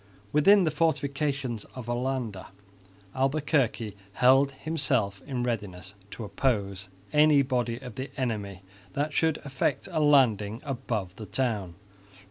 Within the fortifications of Olinda, Albuquerque held himself in readiness to oppose any body of the enemy that should effect a landing above the town.